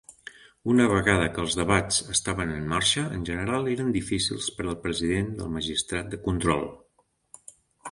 Una vegada que els debats estaven en marxa, en general eren difícils per al president del magistrat de control.